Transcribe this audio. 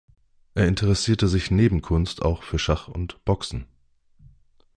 Er interessierte sich neben Kunst auch für Schach und Boxen.